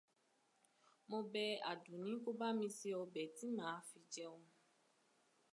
Mo bẹ Àdùnní kó bá mi se ọbẹ̀ tí màá fi jẹun.